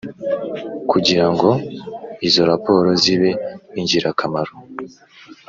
kugira ngo izo raporo zibe ingirakamaro